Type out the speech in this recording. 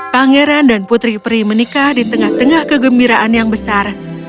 pangeran dan putri peri menikah di tengah tengah kegembiraan yang besar